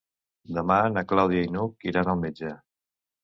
Demà na Clàudia i n'Hug iran al metge.